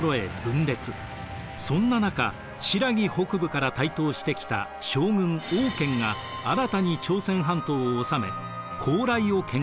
そんな中新羅北部から台頭してきた将軍王建が新たに朝鮮半島を治め高麗を建国しました。